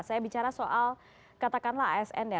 saya bicara soal katakanlah asn ya